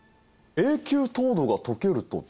永久凍土が溶けるとどうなるの？